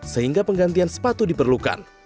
sehingga penggantian sepatu diperlukan